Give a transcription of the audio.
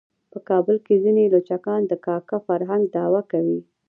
په کابل کې ځینې لچکان د کاکه فرهنګ دعوه کوي.